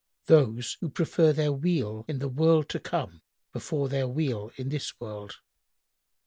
"—"Those who prefer their weal in the world to come before their weal in this world."